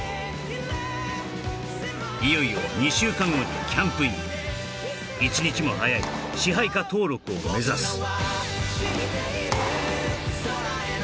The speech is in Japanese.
いよいよ２週間後にキャンプイン一日も早い支配下登録を目指す